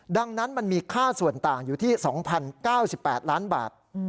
ดังนั้นมันมีค่าส่วนต่างอยู่ที่๒๐๙๘ล้านบาท